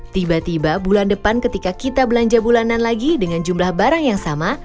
tiba tiba bulan depan ketika kita belanja bulanan lagi dengan jumlah barang yang sama